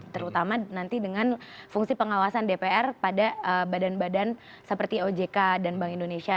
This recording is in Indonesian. terutama nanti dengan fungsi pengawasan dpr pada badan badan seperti ojk dan bank indonesia